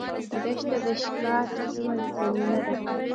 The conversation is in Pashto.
دښته د ښکار سمه زمینه ده.